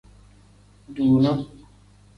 Dunaa.